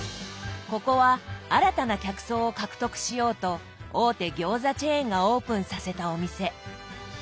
ここは新たな客層を獲得しようと大手餃子チェーンがオープンさせたお店。